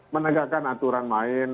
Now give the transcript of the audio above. menegakkan aturan lain